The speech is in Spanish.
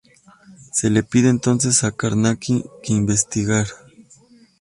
Se le pide entonces a Carnacki que investigar.